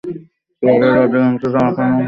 চেহারার অর্ধেকাংশে তখনও চামড়া ছিল।